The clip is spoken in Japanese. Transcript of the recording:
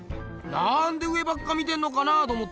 なんで上ばっか見てんのかなあと思ってよ。